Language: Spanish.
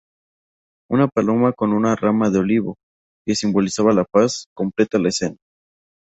Una paloma con una rama de olivo, que simboliza la paz, completa la escena.